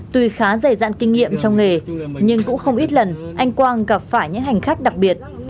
tuy khá dày dạn kinh nghiệm trong nghề nhưng cũng không ít lần anh quang gặp phải những hành khách đặc biệt